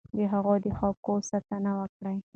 د هغوی د حقوقو ساتنه وکړئ.